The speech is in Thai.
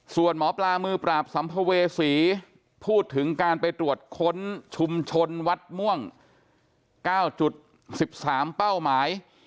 ส่วนหมอปลามือปราบสัมภเวษีพูดถึงการไปตรวจค้นชุมชนวัดม่วง๙๑๓เป้าหมาย